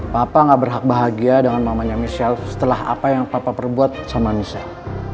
papa gak berhak bahagia dengan mamanya michelle setelah apa yang bapak perbuat sama michelle